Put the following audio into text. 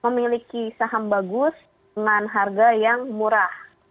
memiliki saham bagus dengan harga yang murah